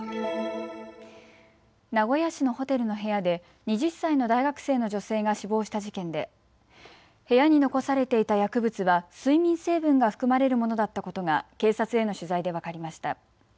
名古屋市のホテルの部屋で２０歳の大学生の女性が死亡した事件で部屋に残されていた薬物は睡眠成分が含まれるものだったことが警察への取材で分かりました。